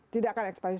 tidak akan ekspansi